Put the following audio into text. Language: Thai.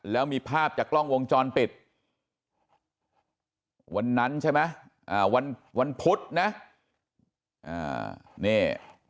แล้วมีภาพจากกล้องวงจรปิดวันนั้นใช่ไหมวันพุธนะนี่